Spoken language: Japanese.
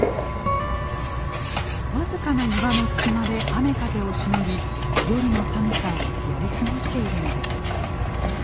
僅かな岩の隙間で雨風をしのぎ夜の寒さをやり過ごしているのです。